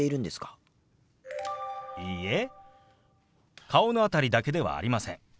いいえ顔の辺りだけではありません。